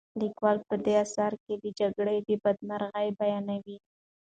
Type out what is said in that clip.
لیکوال په دې اثر کې د جګړې بدمرغۍ بیانوي.